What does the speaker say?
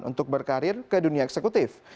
untuk berkarir ke dunia eksekutif